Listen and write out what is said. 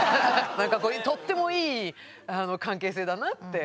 とってもいい関係性だなって。